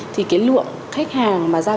thì cái lượng khách hàng mà ra cập nhật